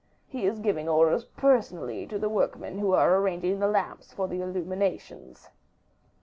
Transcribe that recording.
He is giving orders personally to the workmen who are arranging the lamps for the illuminations."